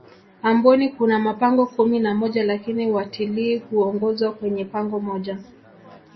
amboni Kuna mapango kumi na moja lakini watilii huongozwa kwenye pango moja